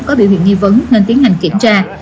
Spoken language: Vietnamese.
có biểu hiện nghi vấn nên tiến hành kiểm tra